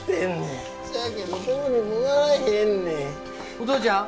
お父ちゃん？